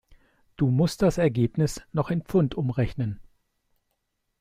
Du musst das Ergebnis noch in Pfund umrechnen.